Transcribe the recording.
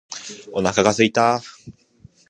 お腹が空いた。